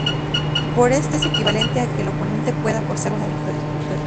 Pero esto es equivalente a que el oponente pueda forzar una victoria.